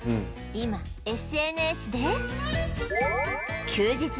今 ＳＮＳ で